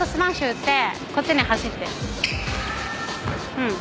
「うん。